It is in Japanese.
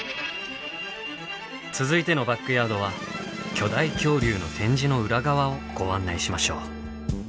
続いてのバックヤードは巨大恐竜の展示の裏側をご案内しましょう。